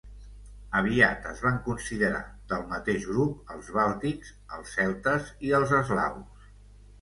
Aviat es van considerar del mateix grup els bàltics, els celtes i els eslaus.